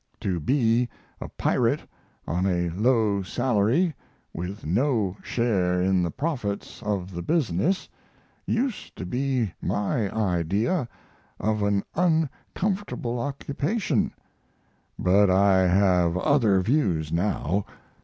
To be a pirate on a low salary, and with no share in the profits of the business, used to be my idea of an uncomfortable occupation, but I have other views now.